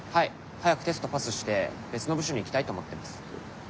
早くテストパスして別の部署に行きたいと思ってます。